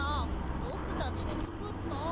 ぼくたちでつくった。